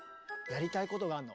やりたいことがあんの。